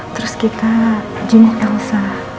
terus kita jumlah ke nusa